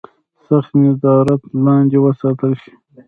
سخت نظارت لاندې وساتل شي.